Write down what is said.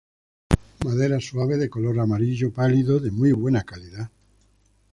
Madera suave, de color amarillo pálido de muy buena calidad.